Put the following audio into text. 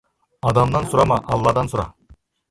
Адамнан сұрама, Алладан сұра.